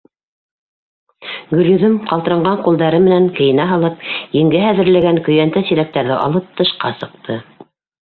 Гөлйөҙөм, ҡалтыранған ҡулдары менән кейенә һалып, еңгәһе әҙерләгән көйәнтә-силәктәрҙе алып, тышҡа сыҡты.